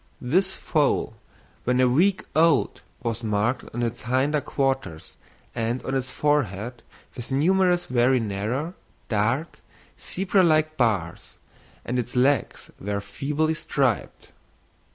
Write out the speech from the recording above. This foal, when a week old, was marked on its hinder quarters and on its forehead with numerous very narrow, dark, zebra like bars, and its legs were feebly striped.